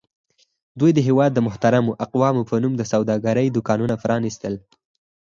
دوی د هېواد د محترمو اقوامو په نوم د سوداګرۍ دوکانونه پرانیستل.